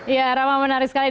ya rama menarik sekali